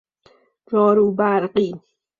جاروبرقی